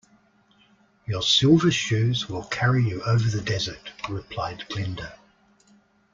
"Your Silver Shoes will carry you over the desert," replied Glinda.